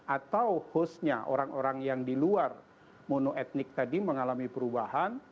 atau hostnya orang orang yang di luar monoetnik tadi mengalami perubahan